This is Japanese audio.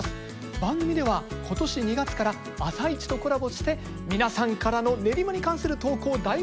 番組では今年２月から「あさイチ」とコラボして皆さんからの練馬に関する投稿大募集してきました。